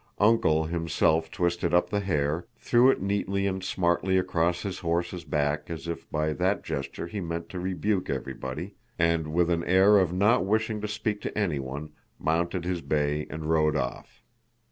"Uncle" himself twisted up the hare, threw it neatly and smartly across his horse's back as if by that gesture he meant to rebuke everybody, and, with an air of not wishing to speak to anyone, mounted his bay and rode off.